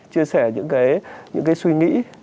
chia sẻ những cái suy nghĩ